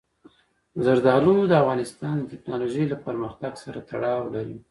زردالو د افغانستان د تکنالوژۍ له پرمختګ سره تړاو لري.